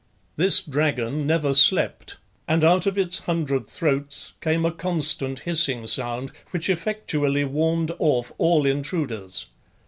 This dragon never slept, and out of its hundred throats came a constant hissing sound, which effectually warned off all intruders.